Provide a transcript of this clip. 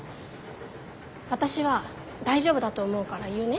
私は大丈夫だと思うから言うね。